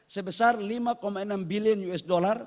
sebesar lima enam bilion usd